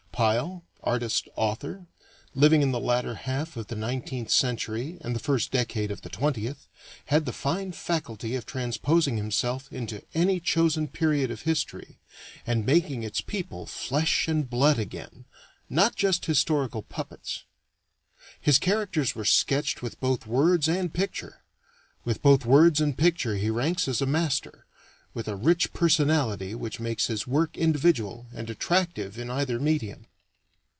Pyle, artist author, living in the latter half of the nineteenth century and the first decade of the twentieth, had the fine faculty of transposing himself into any chosen period of history and making its people flesh and blood again not just historical puppets. His characters were sketched with both words and picture; with both words and picture he ranks as a master, with a rich personality which makes his work individual and attractive in either medium.